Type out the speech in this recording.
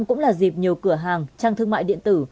cũng là dịp nhiều cửa hàng trang thương mại điện tử